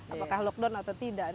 apakah lockdown atau tidak